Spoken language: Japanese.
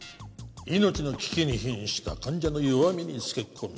命の危機にひんした患者の弱みにつけこみ